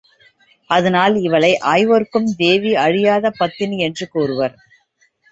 அதனால் இவளை ஐவர்க்கும் தேவி அழியாத பத்தினி என்று கூறுவர்.